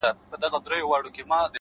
جرئت د پرمختګ پیل دی